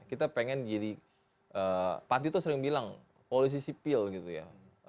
kita ingin jadi pati tuh sering bilang polisi sipil gitu ya